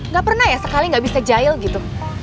gak pernah ya sekali nggak bisa jahil gitu